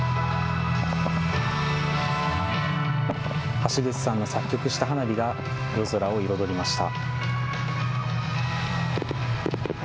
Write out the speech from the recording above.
橋口さんの作曲した花火が夜空を彩りました。